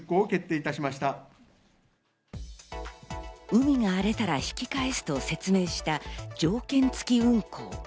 海が荒れたら引き返すと説明した条件付き運航。